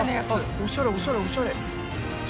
おしゃれおしゃれおしゃれ！